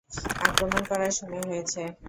আক্রমন করার সময় হয়েছে।